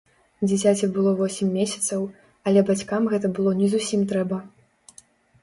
Дзіцяці было восем месяцаў, але бацькам гэта было не зусім трэба.